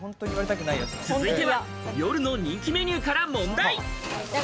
続いては、夜の人気メニューから問題。